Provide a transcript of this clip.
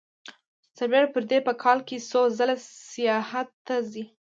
سربېره پر دې په کال کې څو ځلې سیاحت ته ځي